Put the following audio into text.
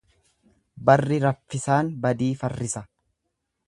Barri raffisaan badii farrisa.